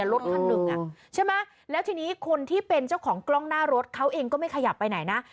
รถคันหนึ่งใช่ไหมแล้วทีนี้คนที่เป็นเจ้าของกล้องหน้ารถเขาเองก็ไม่ขยับไปไหนนะ